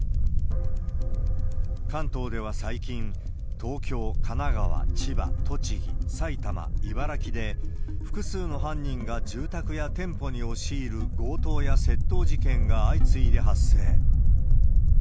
関東では最近、東京、神奈川、千葉、栃木、埼玉、茨城で複数の犯人が住宅や店舗に押し入る強盗や窃盗事件が相次いで発生。